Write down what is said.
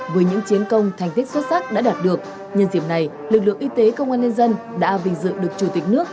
với những chiến công thành tích xuất sắc đã đạt được nhân diệp này lực lượng y tế công an nhân dân đã vinh dự được chủ tịch nước